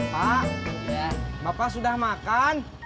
pak bapak sudah makan